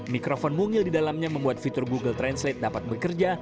mikrofon mungil di dalamnya membuat fitur google translate dapat bekerja